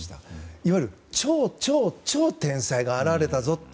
いわゆる超超超天才が現れたぞって。